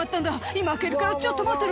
「今開けるからちょっと待ってろ」